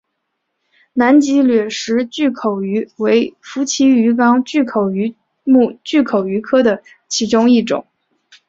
南极掠食巨口鱼为辐鳍鱼纲巨口鱼目巨口鱼科的其中一种。